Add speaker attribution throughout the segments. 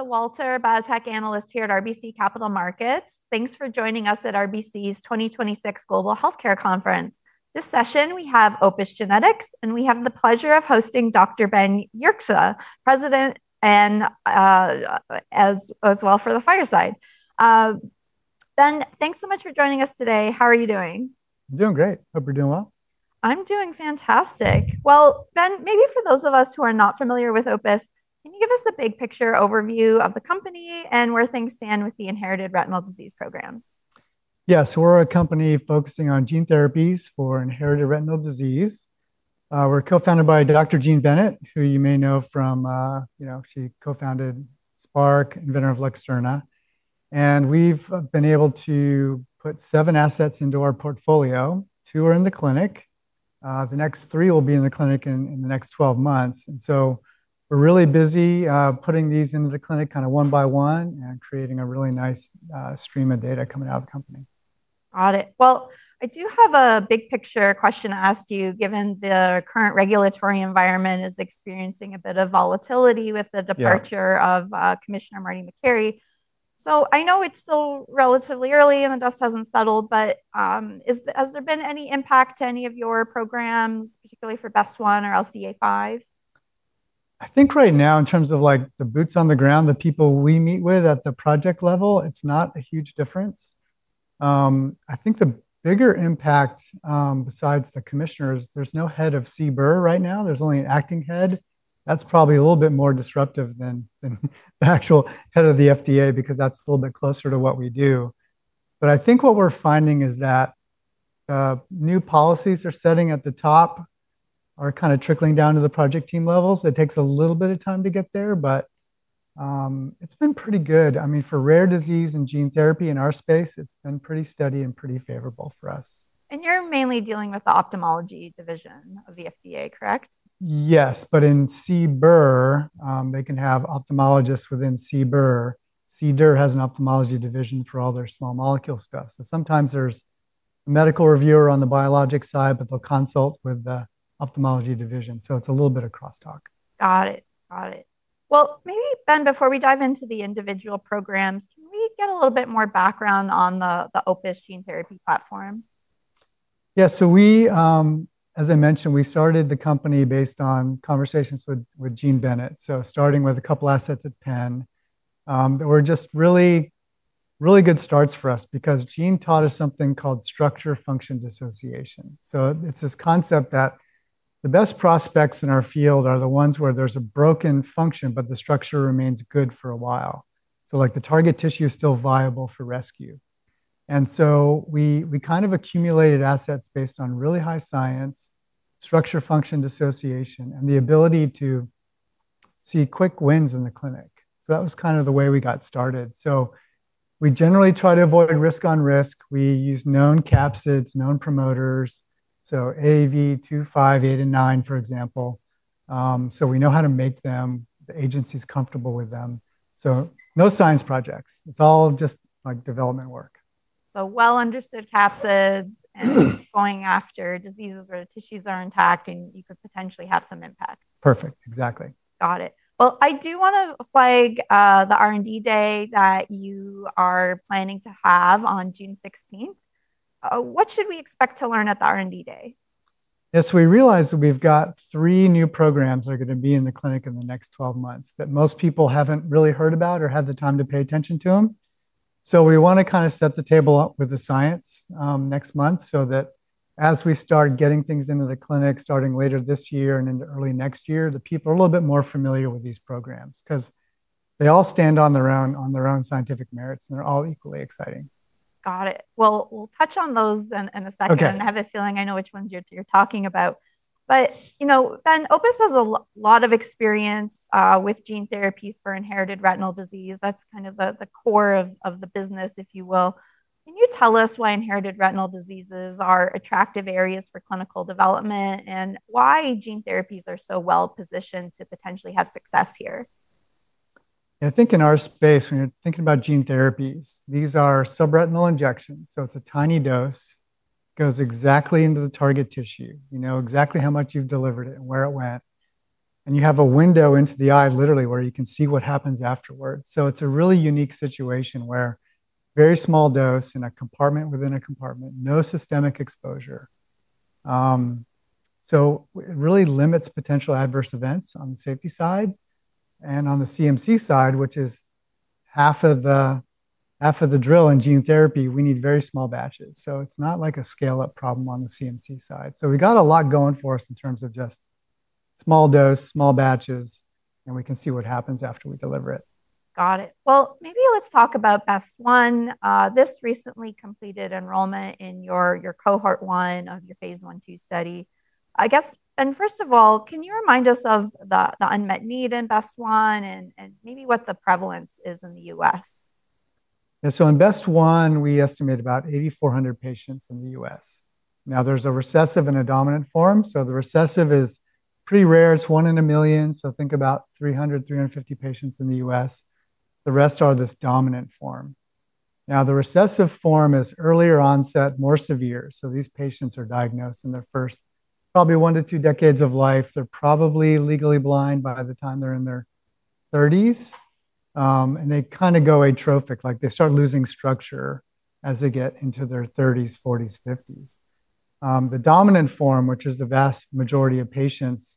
Speaker 1: Walter, biotech analyst here at RBC Capital Markets. Thanks for joining us at RBC's 2026 Global Healthcare Conference. This session we have Opus Genetics, and we have the pleasure of hosting Dr. Ben Yerxa, President well for the fireside. Ben, thanks so much for joining us today. How are you doing?
Speaker 2: Doing great. Hope you're doing well.
Speaker 1: I'm doing fantastic. Well, Ben, maybe for those of us who are not familiar with Opus, can you give us a big picture overview of the company and where things stand with the inherited retinal disease programs?
Speaker 2: We're a company focusing on gene therapies for inherited retinal disease. We're co-founded by Dr. Jean Bennett, who you may know from, she co-founded Spark, inventor of LUXTURNA. We've been able to put seven assets into our portfolio. Two are in the clinic. The next three will be in the clinic in the next 12 months. We're really busy putting these into the clinic kinda one by one and creating a really nice stream of data coming out of the company.
Speaker 1: Got it. Well, I do have a big picture question to ask you, given the current regulatory environment is experiencing a bit of volatility with the departure of Commissioner Marty Makary.
Speaker 2: Yeah
Speaker 1: I know it's still relatively early and the dust hasn't settled, has there been any impact to any of your programs, particularly for BEST1 or LCA5?
Speaker 2: I think right now in terms of like the boots on the ground, the people we meet with at the project level, it's not a huge difference. I think the bigger impact, besides the commissioners, there's no head of CBER right now. There's only an acting head. That's probably a little bit more disruptive than the actual head of the FDA because that's a little bit closer to what we do. I think what we're finding is that new policies they're setting at the top are kind of trickling down to the project team levels. It takes a little bit of time to get there, but it's been pretty good. I mean, for rare disease and gene therapy in our space, it's been pretty steady and pretty favorable for us.
Speaker 1: You're mainly dealing with the ophthalmology division of the FDA, correct?
Speaker 2: Yes. In CBER, they can have ophthalmologists within CBER. CDER has an ophthalmology division for all their small molecule stuff. Sometimes there's a medical reviewer on the biologic side, but they'll consult with the ophthalmology division. It's a little bit of crosstalk.
Speaker 1: Got it. Well, maybe, Ben, before we dive into the individual programs, can we get a little bit more background on the Opus gene therapy platform?
Speaker 2: Yeah. We, as I mentioned, we started the company based on conversations with Jean Bennett. Starting with a couple assets at Penn that were just really, really good starts for us because Jean taught us something called structure-function dissociation. It's this concept that the best prospects in our field are the ones where there's a broken function, but the structure remains good for a while. Like the target tissue is still viable for rescue. We kind of accumulated assets based on really high science, structure-function dissociation, and the ability to see quick wins in the clinic. That was kind of the way we got started. We generally try to avoid risk on risk. We use known capsids, known promoters, AAV2, 5, 8 and 9, for example. We know how to make them. The agency's comfortable with them. No science projects. It's all just like development work.
Speaker 1: Well understood capsids going after diseases where the tissues are intact and you could potentially have some impact.
Speaker 2: Perfect. Exactly.
Speaker 1: Got it. Well, I do wanna flag the R&D day that you are planning to have on June 16th. What should we expect to learn at the R&D Day?
Speaker 2: Yes, we realize that we've got three new programs that are gonna be in the clinic in the next 12 months that most people haven't really heard about or had the time to pay attention to them. We wanna kinda set the table up with the science next month so that as we start getting things into the clinic starting later this year and into early next year, the people are a little bit more familiar with these programs 'cause they all stand on their own, on their own scientific merits, and they're all equally exciting.
Speaker 1: Got it. Well, we'll touch on those in a second.
Speaker 2: Okay.
Speaker 1: I have a feeling I know which ones you're talking about. You know, Ben, Opus has a lot of experience with gene therapies for inherited retinal disease. That's kind of the core of the business, if you will. Can you tell us why inherited retinal diseases are attractive areas for clinical development, and why gene therapies are so well-positioned to potentially have success here?
Speaker 2: I think in our space, when you're thinking about gene therapies, these are subretinal injections, so it's a tiny dose. It goes exactly into the target tissue. You know exactly how much you've delivered it and where it went, and you have a window into the eye literally where you can see what happens afterwards. It's a really unique situation where very small dose in a compartment within a compartment, no systemic exposure. It really limits potential adverse events on the safety side. On the CMC side, which is half of the drill in gene therapy, we need very small batches. It's not like a scale-up problem on the CMC side. We got a lot going for us in terms of just small dose, small batches, and we can see what happens after we deliver it.
Speaker 1: Got it. Well, maybe let's talk about BEST1. This recently completed enrollment in your cohort 1 of your phase I/II study. First of all, can you remind us of the unmet need in BEST1 and maybe what the prevalence is in the U.S.?
Speaker 2: Yeah. In BEST1, we estimate about 8,400 patients in the U.S. Now there's a recessive and a dominant form. The recessive is pretty rare. It's one in a million, think about 300, 350 patients in the U.S. The rest are this dominant form. Now, the recessive form is earlier onset, more severe. These patients are diagnosed in their first probably one to two decades of life. They're probably legally blind by the time they're in their 30s. They kind of go atrophic, like they start losing structure as they get into their 30s, 40s, 50s. The dominant form, which is the vast majority of patients,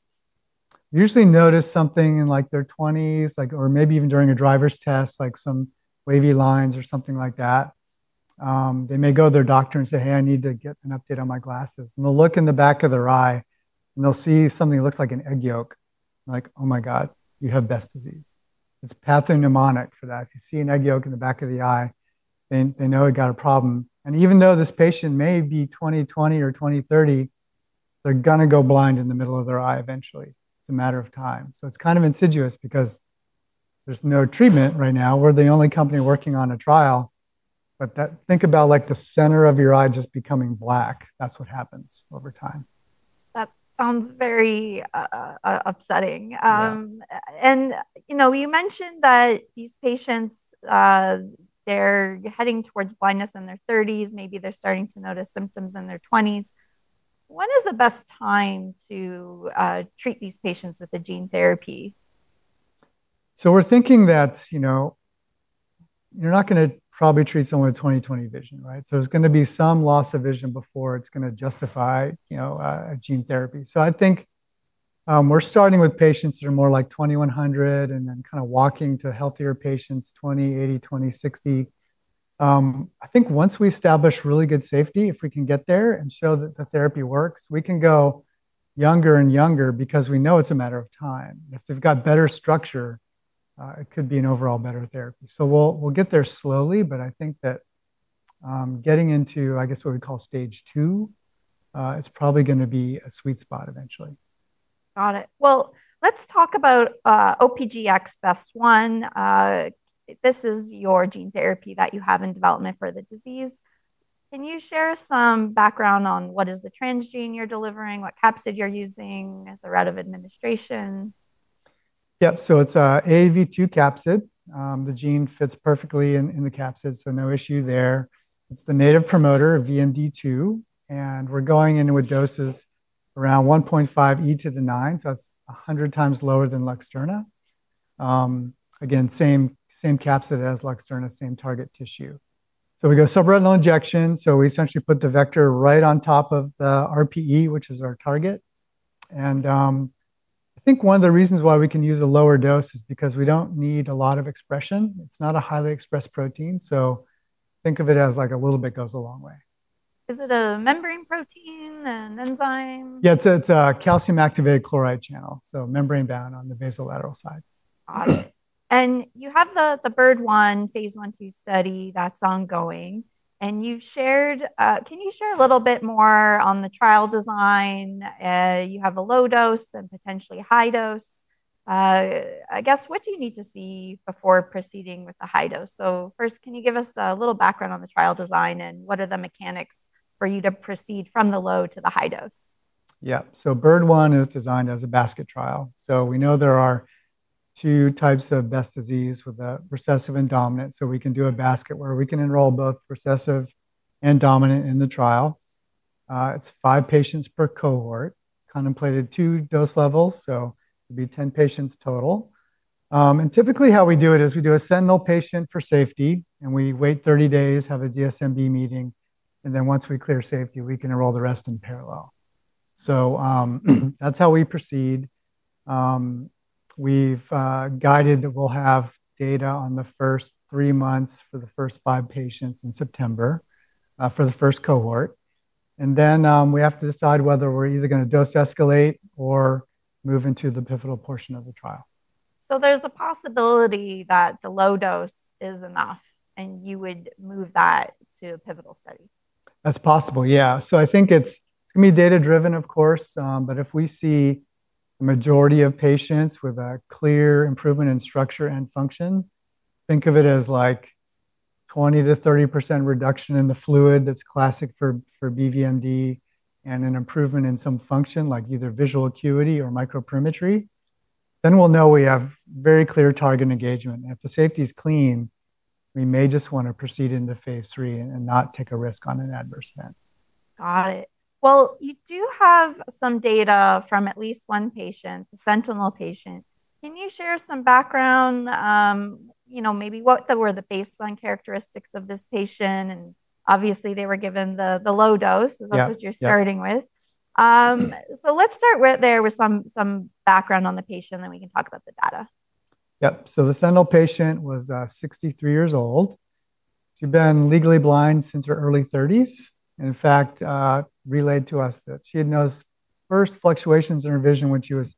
Speaker 2: usually notice something in like their 20s, like, or maybe even during a driver's test, like some wavy lines or something like that. They may go to their doctor and say, "Hey, I need to get an update on my glasses." They'll look in the back of their eye, and they'll see something that looks like an egg yolk. Like, oh my God, you have Best disease. It's pathognomonic for that. If you see an egg yolk in the back of the eye, then they know they got a problem. Even though this patient may be 20/20 or 20/30, they're gonna go blind in the middle of their eye eventually. It's a matter of time. It's kind of insidious because there's no treatment right now. We're the only company working on a trial. Think about like the center of your eye just becoming black. That's what happens over time.
Speaker 1: That sounds very upsetting.
Speaker 2: Yeah.
Speaker 1: You know, you mentioned that these patients, they're heading towards blindness in their thirties. Maybe they're starting to notice symptoms in their twenties. When is the best time to treat these patients with a gene therapy?
Speaker 2: We're thinking that, you know, you're not gonna probably treat someone with 20/20 vision, right? There's gonna be some loss of vision before it's gonna justify, you know, a gene therapy. I think, we're starting with patients that are more like 20/100 and then kind of walking to healthier patients, 20/80, 20/60. I think once we establish really good safety, if we can get there and show that the therapy works, we can go younger and younger because we know it's a matter of time. If they've got better structure, it could be an overall better therapy. We'll get there slowly, but I think that, getting into I guess what we call stage two, is probably gonna be a sweet spot eventually.
Speaker 1: Got it. Well, let's talk about OPGx-BEST1. This is your gene therapy that you have in development for the disease. Can you share some background on what is the transgene you're delivering, what capsid you're using, the route of administration?
Speaker 2: Yep. It's a AAV2 capsid. The gene fits perfectly in the capsid, so no issue there. It's the native promoter of VMD2. We're going in with doses around 1.5E9, so that's 100 times lower than Luxturna. Again, same capsid as Luxturna, same target tissue. We go subretinal injection, so we essentially put the vector right on top of the RPE, which is our target. I think one of the reasons why we can use a lower dose is because we don't need a lot of expression. It's not a highly expressed protein, so think of it as like a little bit goes a long way.
Speaker 1: Is it a membrane protein, an enzyme?
Speaker 2: Yeah, it's a calcium-activated chloride channel, so membrane-bound on the basolateral side.
Speaker 1: Got it. You have the BEST1, phase I/II study that's ongoing. Can you share a little bit more on the trial design? You have a low dose and potentially a high dose. I guess, what do you need to see before proceeding with the high dose? First, can you give us a little background on the trial design, and what are the mechanics for you to proceed from the low to the high dose?
Speaker 2: Yeah. BEST1 is designed as a basket trial. We know there are two types of Best disease with the recessive and dominant, we can do a basket where we can enroll both recessive and dominant in the trial. It's five patients per cohort, contemplated two dose levels, it'd be 10 patients total. Typically how we do it is we do a sentinel patient for safety, we wait 30 days, have a DSMB meeting, once we clear safety, we can enroll the rest in parallel. That's how we proceed. We've guided that we'll have data on the first three months for the first five patients in September, for the first cohort. We have to decide whether we're either gonna dose escalate or move into the pivotal portion of the trial.
Speaker 1: There's a possibility that the low dose is enough, and you would move that to a pivotal study.
Speaker 2: That's possible, yeah. I think it's gonna be data-driven, of course. If we see a majority of patients with a clear improvement in structure and function, think of it as like 20%-30% reduction in the fluid that's classic for BVMD and an improvement in some function like either visual acuity or microperimetry, then we'll know we have very clear target engagement. If the safety is clean, we may just wanna proceed into phase III and not take a risk on an adverse event.
Speaker 1: Got it. Well, you do have some data from at least one patient, the sentinel patient. Can you share some background, you know, maybe were the baseline characteristics of this patient? Obviously, they were given the low dose-
Speaker 2: Yeah. Yeah.
Speaker 1: As that's what you're starting with. Let's start with some background on the patient, then we can talk about the data.
Speaker 2: Yep. The sentinel patient was 63 years old. She'd been legally blind since her early thirties, and in fact, relayed to us that she had noticed first fluctuations in her vision when she was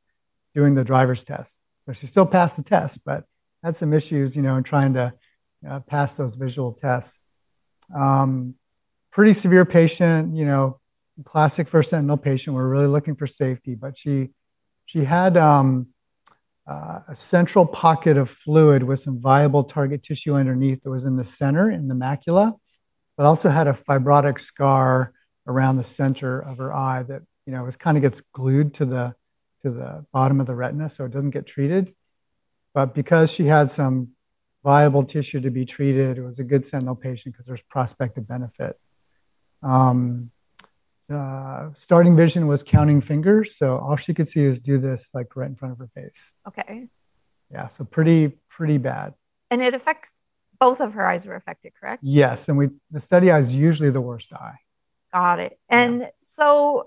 Speaker 2: doing the driver's test. She still passed the test, but had some issues, you know, in trying to pass those visual tests. Pretty severe patient, you know, classic for a sentinel patient. We're really looking for safety. She had a central pocket of fluid with some viable target tissue underneath that was in the center, in the macula. But also had a fibrotic scar around the center of her eye that, you know, it was kinda gets glued to the bottom of the retina, so it doesn't get treated. Because she had some viable tissue to be treated, it was a good sentinel patient because there was prospective benefit. Starting vision was counting fingers, so all she could see is do this, like, right in front of her face.
Speaker 1: Okay.
Speaker 2: Yeah, pretty bad.
Speaker 1: Both of her eyes were affected, correct?
Speaker 2: Yes. The study eye is usually the worst eye.
Speaker 1: Got it.
Speaker 2: Yeah.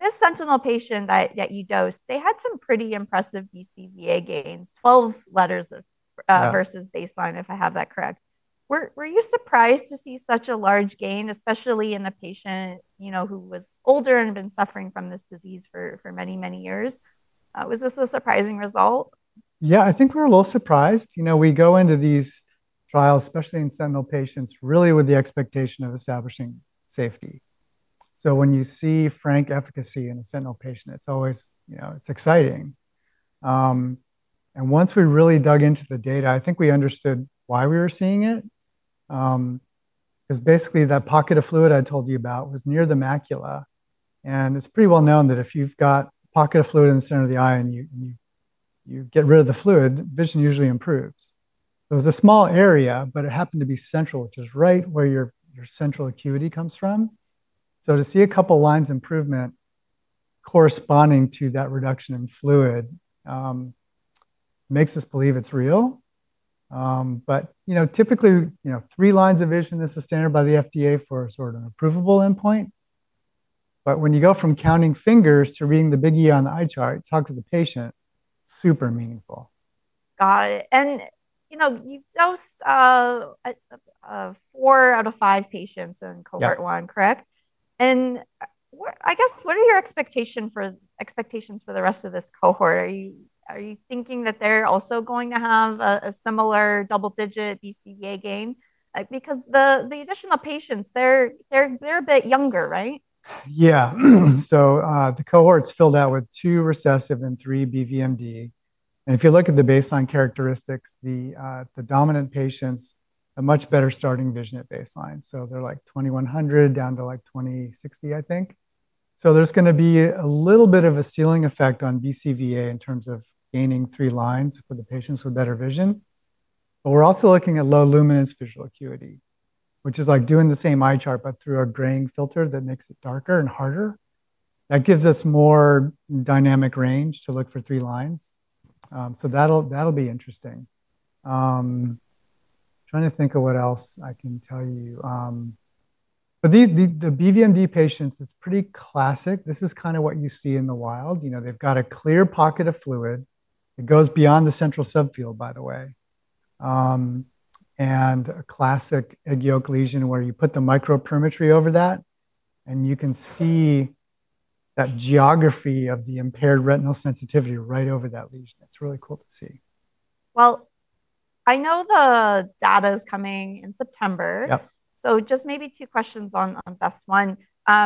Speaker 1: This sentinel patient that you dosed, they had some pretty impressive BCVA gains, 12 letters of-
Speaker 2: Yeah.
Speaker 1: Versus baseline, if I have that correct. Were you surprised to see such a large gain, especially in a patient, you know, who was older and had been suffering from this disease for many, many years? Was this a surprising result?
Speaker 2: Yeah, I think we were a little surprised. You know, we go into these trials, especially in sentinel patients, really with the expectation of establishing safety. When you see frank efficacy in a sentinel patient, it's always, you know, it's exciting. Once we really dug into the data, I think we understood why we were seeing it. 'Cause basically, that pocket of fluid I told you about was near the macula, and it's pretty well known that if you've got a pocket of fluid in the center of the eye and you get rid of the fluid, vision usually improves. It was a small area, but it happened to be central, which is right where your central acuity comes from. To see a couple lines improvement corresponding to that reduction in fluid, makes us believe it's real. Typically, you know, three lines of vision is the standard by the FDA for sort of an approvable endpoint. When you go from counting fingers to reading the big E on the eye chart, talk to the patient. It is super meaningful.
Speaker 1: Got it. You know, you dosed four out of five patients in cohort-
Speaker 2: Yeah.
Speaker 1: one, correct? What are your expectations for the rest of this cohort? Are you thinking that they're also going to have a similar double-digit BCVA gain? Because the additional patients, they're a bit younger, right?
Speaker 2: Yeah. The cohort's filled out with two recessive and three BVMD. If you look at the baseline characteristics, the dominant patients have much better starting vision at baseline. They're like 20/100 down to like 20/60, I think. There's gonna be a little bit of a ceiling effect on BCVA in terms of gaining three lines for the patients with better vision. We're also looking at low luminance visual acuity, which is like doing the same eye chart, but through a graying filter that makes it darker and harder. That gives us more dynamic range to look for three lines. That'll be interesting. Trying to think of what else I can tell you. The BVMD patients, it's pretty classic. This is kind of what you see in the wild. You know, they've got a clear pocket of fluid. It goes beyond the central subfield, by the way. A classic egg yolk lesion where you put the microperimetry over that, and you can see that geography of the impaired retinal sensitivity right over that lesion. It's really cool to see.
Speaker 1: Well, I know the data is coming in September.
Speaker 2: Yep.
Speaker 1: Just maybe two questions on BEST1.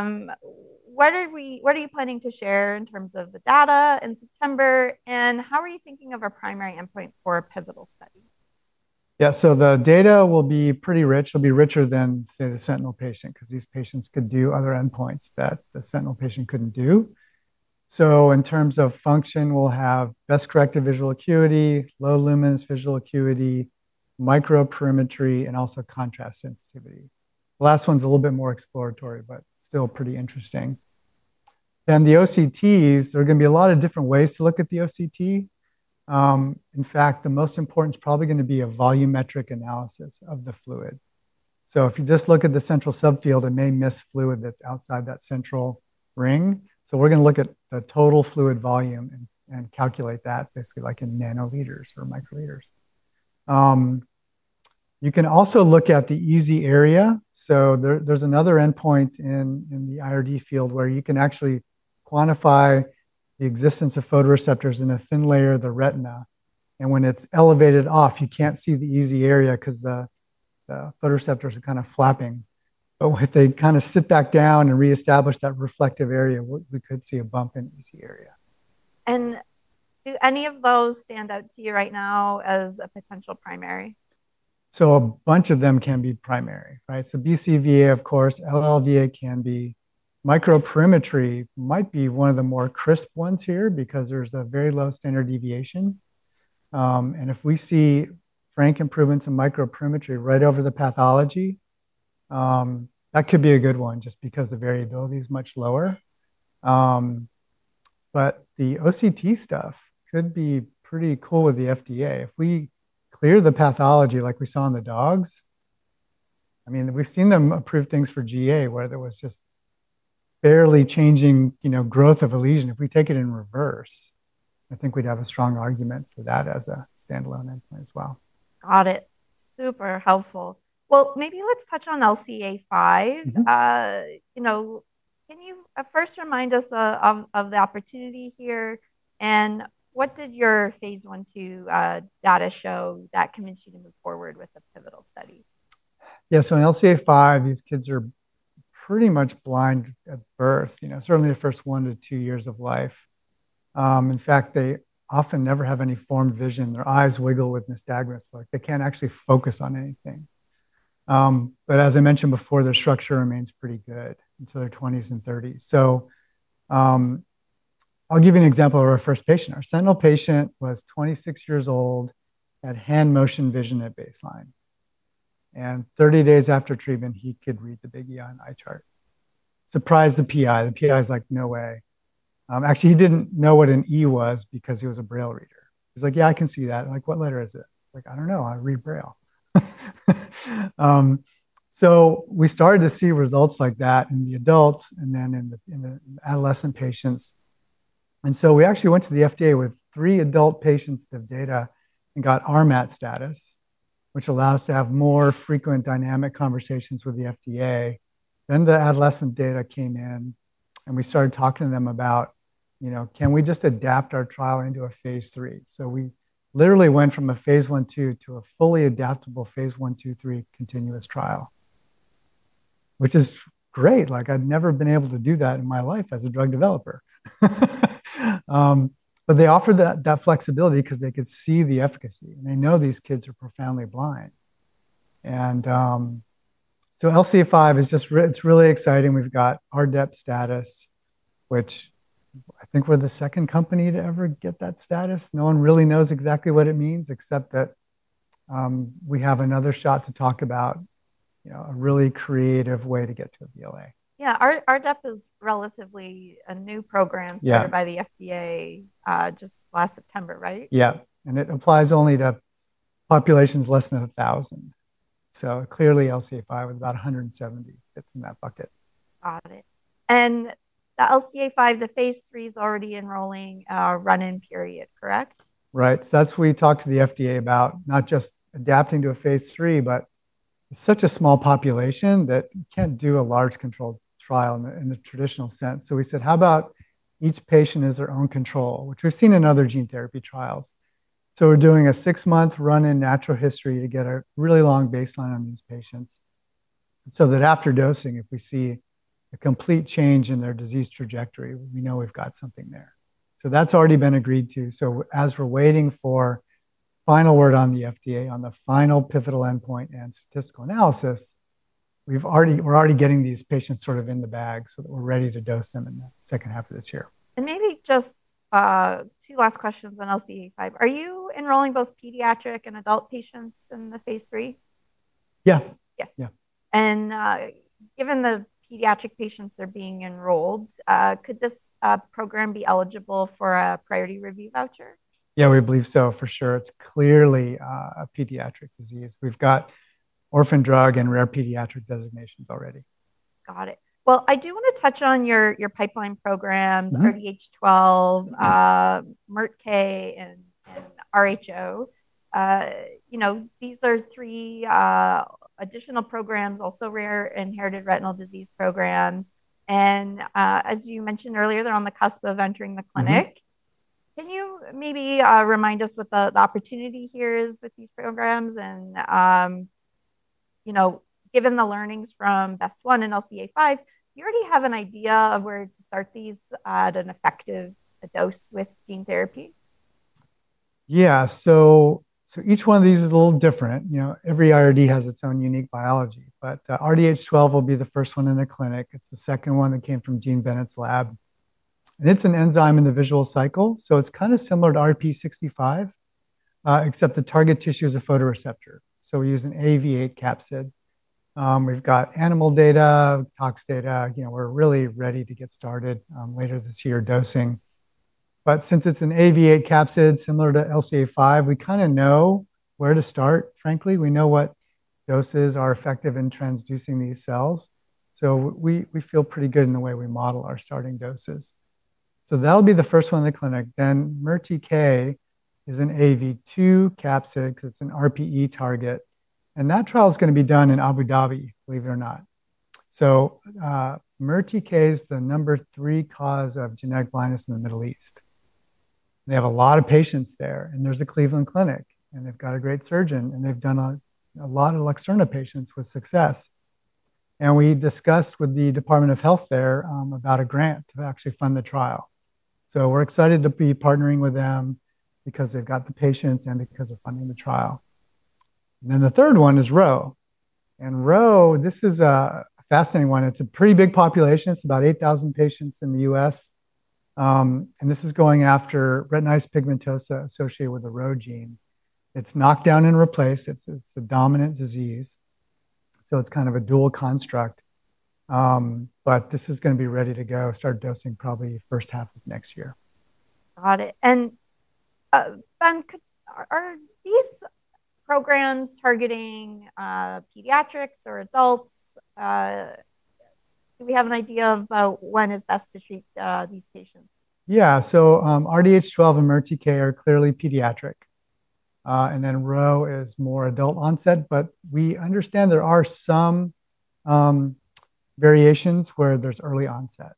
Speaker 1: What are you planning to share in terms of the data in September, and how are you thinking of a primary endpoint for a pivotal study?
Speaker 2: Yeah. The data will be pretty rich. It'll be richer than, say, the sentinel patient, 'cause these patients could do other endpoints that the sentinel patient couldn't do. In terms of function, we'll have best-corrected visual acuity, low luminance visual acuity, microperimetry, and also contrast sensitivity. The last one's a little bit more exploratory, but still pretty interesting. The OCTs, there are gonna be a lot of different ways to look at the OCT. In fact, the most important is probably gonna be a volumetric analysis of the fluid. If you just look at the central subfield, it may miss fluid that's outside that central ring. We're gonna look at the total fluid volume and calculate that basically like in nanoliters or microliters. You can also look at the EZ area. There's another endpoint in the IRD field where you can actually quantify the existence of photoreceptors in a thin layer of the retina. When it's elevated off, you can't see the EZ area 'cause the photoreceptors are kinda flapping. If they kinda sit back down and reestablish that reflective area, we could see a bump in EZ area.
Speaker 1: Do any of those stand out to you right now as a potential primary?
Speaker 2: A bunch of them can be primary, right? BCVA, of course, LLVA can be. Microperimetry might be one of the more crisp ones here because there's a very low standard deviation. If we see frank improvements in microperimetry right over the pathology, that could be a good one just because the variability is much lower. The OCT stuff could be pretty cool with the FDA. If we clear the pathology like we saw in the dogs, I mean, we've seen them approve things for GA where there was just barely changing, you know, growth of a lesion. If we take it in reverse, I think we'd have a strong argument for that as a standalone endpoint as well.
Speaker 1: Got it. Super helpful. Well, maybe let's touch on LCA5. You know, can you first remind us of the opportunity here, and what did your phase I/II data show that convinced you to move forward with the pivotal study?
Speaker 2: Yeah. In LCA5, these kids are pretty much blind at birth, you know, certainly the first one to two years of life. In fact, they often never have any form vision. Their eyes wiggle with nystagmus, like they can't actually focus on anything. As I mentioned before, their structure remains pretty good until their twenties and thirties. I'll give you an example of our first patient. Our sentinel patient was 26 years old, had hand motion vision at baseline, and 30 days after treatment, he could read the big E on eye chart. Surprised the PI. The PI's like, "No way." Actually, he didn't know what an E was because he was a braille reader. He's like, "Yeah, I can see that." I'm like, "What letter is it?" He's like, "I don't know, I read braille." We started to see results like that in the adults and then in the adolescent patients. We actually went to the FDA with three adult patients of data and got RMAT status, which allows to have more frequent dynamic conversations with the FDA. The adolescent data came in, and we started talking to them about, you know, can we just adapt our trial into a phase III? We literally went from a phase I/II to a fully adaptable phase I, II, III continuous trial, which is great. Like, I've never been able to do that in my life as a drug developer. They offer that flexibility because they could see the efficacy, and they know these kids are profoundly blind. LCA5 is just it's really exciting. We've got RDEP status, which I think we're the second company to ever get that status. No one really knows exactly what it means except that, we have another shot to talk about, you know, a really creative way to get to a BLA.
Speaker 1: Yeah. Our RDEP is relatively a new program.
Speaker 2: Yeah.
Speaker 1: Started by the FDA, just last September, right?
Speaker 2: Yeah. It applies only to populations less than 1,000. Clearly LCA5 with about 170 fits in that bucket.
Speaker 1: Got it. The LCA5, the phase III is already enrolling a run-in period, correct?
Speaker 2: Right. That's we talked to the FDA about, not just adapting to a phase III, but it's such a small population that you can't do a large controlled trial in a, in a traditional sense. We said, how about each patient is their own control, which we've seen in other gene therapy trials. We're doing a six-month run in natural history to get a really long baseline on these patients, so that after dosing, if we see a complete change in their disease trajectory, we know we've got something there. That's already been agreed to. As we're waiting for final word on the FDA, on the final pivotal endpoint and statistical analysis, we're already getting these patients sort of in the bag so that we're ready to dose them in the second half of this year.
Speaker 1: Maybe just, two last questions on LCA5. Are you enrolling both pediatric and adult patients in the phase III?
Speaker 2: Yeah.
Speaker 1: Yes.
Speaker 2: Yeah.
Speaker 1: Given the pediatric patients are being enrolled, could this program be eligible for a priority review voucher?
Speaker 2: Yeah, we believe so for sure. It's clearly a pediatric disease. We've got Orphan Drug and Rare Pediatric Disease designations already.
Speaker 1: Got it. Well, I do wanna touch on your pipeline programs. RDH12, MERTK, and RHO. You know, these are three additional programs, also rare inherited retinal disease programs. As you mentioned earlier, they're on the cusp of entering the clinic. Can you maybe remind us what the opportunity here is with these programs? You know, given the learnings from BEST1 and LCA5, do you already have an idea of where to start these at an effective dose with gene therapy?
Speaker 2: Yeah. Each one of these is a little different. You know, every IRD has its own unique biology. RDH12 will be the first one in the clinic. It's the second one that came from Jean Bennett's lab. It's an enzyme in the visual cycle, so it's kind of similar to RPE65, except the target tissue is a photoreceptor, so we use an AAV8 capsid. We've got animal data, tox data. You know, we're really ready to get started later this year dosing. Since it's an AAV8 capsid similar to LCA5, we kind of know where to start, frankly. We know what doses are effective in transducing these cells, so we feel pretty good in the way we model our starting doses. That'll be the first one in the clinic. MERTK is an AAV2 capsid, so it's an RPE target. That trial is going to be done in Abu Dhabi, believe it or not. MERTK is the number three cause of genetic blindness in the Middle East. They have a lot of patients there, and there's a Cleveland Clinic, and they've got a great surgeon, and they've done a lot of LUXTURNA patients with success. We discussed with the Department of Health there about a grant to actually fund the trial. We're excited to be partnering with them because they've got the patients and because of funding the trial. The third one is RHO. RHO, this is a fascinating one. It's a pretty big population. It's about 8,000 patients in the U.S. This is going after retinitis pigmentosa associated with the RHO gene. It's knocked down and replaced. It's a dominant disease, it's kind of a dual construct. This is gonna be ready to go, start dosing probably first half of next year.
Speaker 1: Got it. Ben, are these programs targeting pediatrics or adults? Do we have an idea about when is best to treat these patients?
Speaker 2: Yeah. RDH12 and MERTK are clearly pediatric. RHO is more adult onset, but we understand there are some variations where there's early onset.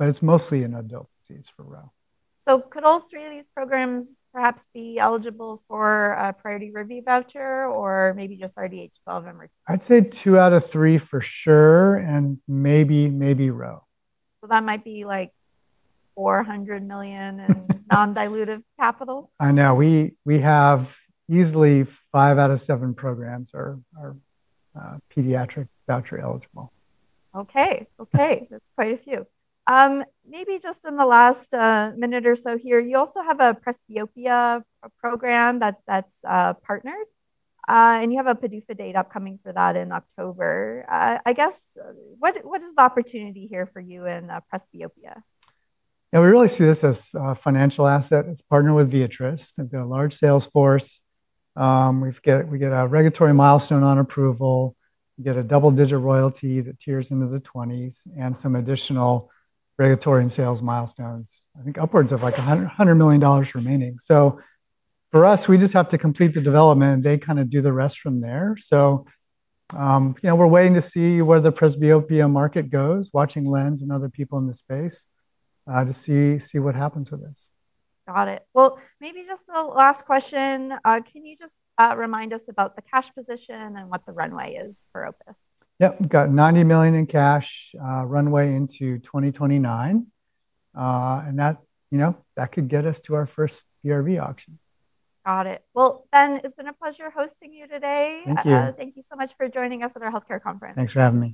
Speaker 2: It's mostly an adult disease for RHO.
Speaker 1: Could all three of these programs perhaps be eligible for a Priority Review Voucher or maybe just RDH12 and MERTK?
Speaker 2: I'd say two out of three for sure, and maybe RHO.
Speaker 1: That might be like $400 million non-dilutive capital?
Speaker 2: I know. We have easily five out of seven programs are Pediatric Voucher eligible.
Speaker 1: Okay. Okay. That's quite a few. Maybe just in the last minute or so here, you also have a presbyopia program that's partnered. You have a PDUFA date upcoming for that in October. I guess, what is the opportunity here for you in presbyopia?
Speaker 2: We really see this as a financial asset. It's partnered with Viatris. They've got a large sales force. We get a regulatory milestone on approval. We get a double-digit royalty that tiers into the 20s and some additional regulatory and sales milestones, I think upwards of like $100 million remaining. For us, we just have to complete the development. They kinda do the rest from there. You know, we're waiting to see where the presbyopia market goes, watching LENZ and other people in the space, to see what happens with this.
Speaker 1: Got it. Well, maybe just the last question. Can you just remind us about the cash position and what the runway is for Opus?
Speaker 2: Yep. We've got $90 million in cash, runway into 2029. That, you know, that could get us to our first PRV auction.
Speaker 1: Got it. Well, Ben, it's been a pleasure hosting you today.
Speaker 2: Thank you.
Speaker 1: Thank you so much for joining us at our healthcare conference.
Speaker 2: Thanks for having me.